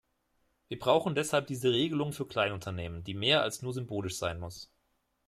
Wir brauchen deshalb diese Regelung für Kleinunternehmen, die mehr als nur symbolisch sein muss.